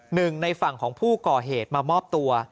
หนึ่งในฝั่งของผู้ก่อเหตุมามอบตัว